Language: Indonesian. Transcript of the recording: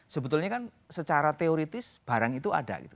sebetulnya kan secara teoritis barang itu ada gitu